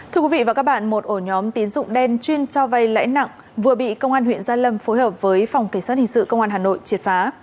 thưa quý vị và các bạn một ổ nhóm tín dụng đen chuyên cho vay lãi nặng vừa bị công an huyện gia lâm phối hợp với phòng cảnh sát hình sự công an hà nội triệt phá